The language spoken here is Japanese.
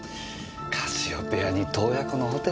カシオペアに洞爺湖のホテルかぁ。